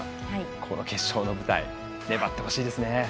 この決勝の舞台粘ってほしいですね。